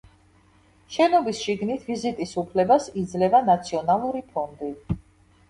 შენობის შიგნით ვიზიტის უფლებას იძლევა ნაციონალური ფონდი.